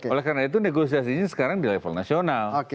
oleh karena itu negosiasinya sekarang di level nasional